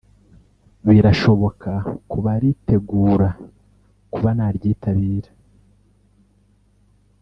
birashoboka ku baritegura kuba naryitabira